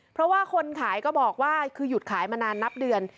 เพราะว่าคนขายก็บอกว่าคือหยุดขายมานานนับเดือน